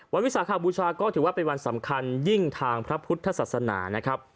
วิสาขบูชาก็ถือว่าเป็นวันสำคัญยิ่งทางพระพุทธศาสนานะครับ